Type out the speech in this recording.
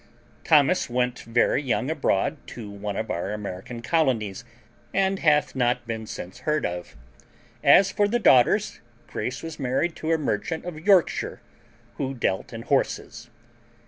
Thomas went very young abroad to one of our American colonies, and hath not been since heard of. As for the daughters, Grace was married to a merchant of Yorkshire who dealt in horses.